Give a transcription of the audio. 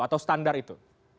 atau standar itu